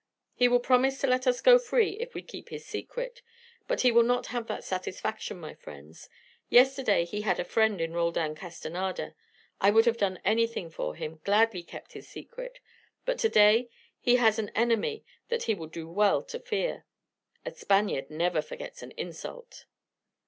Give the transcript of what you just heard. He will promise to let us go free if we keep his secret. But he will not have that satisfaction, my friends. Yesterday he had a friend in Roldan Castanada; I would have done anything for him, gladly kept his secret. But to day he has an enemy that he will do well to fear. A Spaniard never forgets an insult."